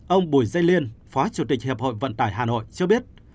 ông bùi dây liên phó chủ tịch hiệp hội vận tải hà nội cho biết